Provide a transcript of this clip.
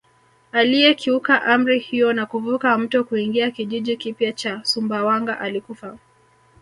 Aliyekiuka amri hiyo na kuvuka mto kuingia kijiji kipya cha Sumbawanga alikufa